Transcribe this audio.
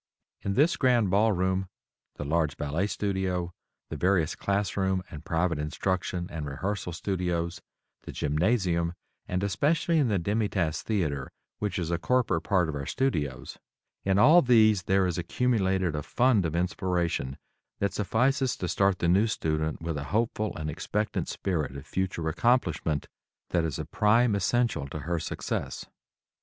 In this Grand Ball Room, the large Ballet studio, the various classroom and private instruction and rehearsal studios, the gymnasium, and especially in the Demi Tasse Theatre, which is a corporate part of our studios, in all these there is accumulated a fund of inspiration that suffices to start the new student with a hopeful and expectant spirit of future accomplishment that is a prime essential to her success.